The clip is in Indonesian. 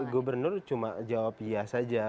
gubernur cuma jawab iya saja